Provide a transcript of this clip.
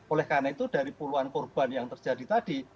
oleh karena itu dari puluhan korban yang terjadi tadi